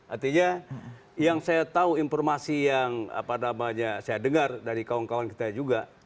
artinya yang saya tahu informasi yang apa namanya saya dengar dari kawan kawan kita juga